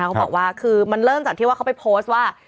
เขาบอกว่าคือมันเริ่มจากที่ว่าเขาไปโพสต์ว่า